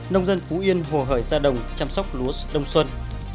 nông dân phú yên hồ hởi ra đồng chăm sóc lúa đông xuân